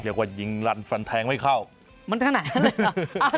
เรียกว่ายิงรุ่นฟังแทง์ไว้เข้ามันขนาดนั้นเลยหรออ่า